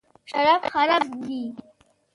شراب حرام دي .